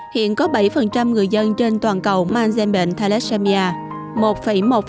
hiện có bảy người dân trên toàn cầu mang gen bệnh thalesamia